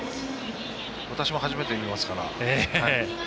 私も初めて見ますから。